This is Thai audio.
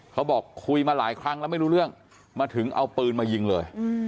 เขาบอกคุยมาหลายครั้งแล้วไม่รู้เรื่องมาถึงเอาปืนมายิงเลย